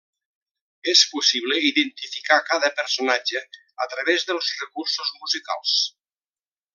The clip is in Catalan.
És possible identificar cada personatge, a través dels recursos musicals.